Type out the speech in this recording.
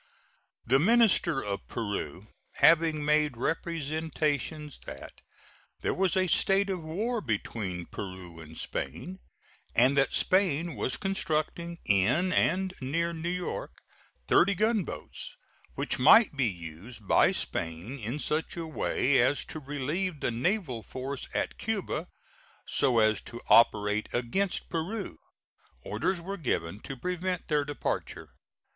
The minister of Peru having made representations that there was a state of war between Peru and Spain, and that Spain was constructing, in and near New York, thirty gunboats, which might be used by Spain in such a way as to relieve the naval force at Cuba, so as to operate against Peru, orders were given to prevent their departure.